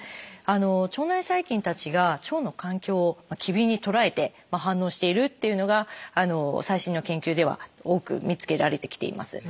腸内細菌たちが腸の環境を機敏に捉えて反応しているっていうのが最新の研究では多く見つけられてきています。